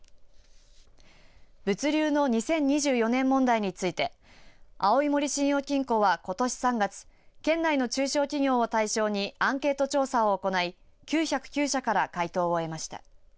物流の２０２４年問題について青い森信用金庫は、ことし３月県内の中小企業を対象にアンケート調査を行い９０９社から回答を得ました。